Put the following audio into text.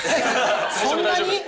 そんなに？